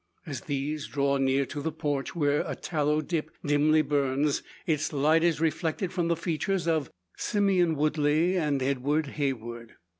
As these draw near to the porch, where a tallow dip dimly burns, its light is reflected from the features of Simeon Woodley and Edward Heywood.